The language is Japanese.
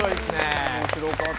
すごい。